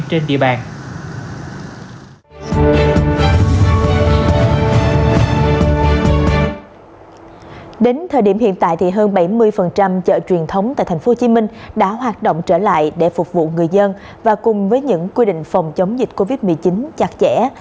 đến thời điểm hiện tại thì hơn bảy mươi chợ truyền thống tại tp hcm đã hoạt động trở lại để phục vụ người dân và cùng với những quy định phòng chống dịch covid một mươi chín chặt chẽ